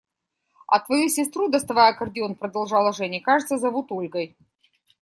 – «А твою сестру, – доставая аккордеон, продолжала Женя, – кажется, зовут Ольгой?»